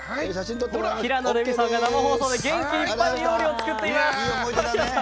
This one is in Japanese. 平野レミさんが生放送で元気いっぱい料理を作っています。